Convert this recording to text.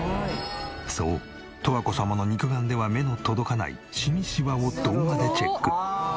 そう十和子様の肉眼では目の届かないシミシワを動画でチェック。